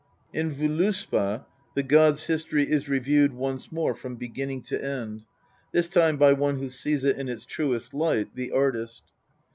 In Voluspa the gods' history is reviewed once more from begin ning to end, this time by one who sees it in its truest light the artist.